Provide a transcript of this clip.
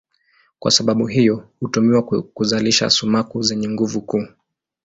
Kwa sababu hiyo hutumiwa kuzalisha sumaku zenye nguvu kuu.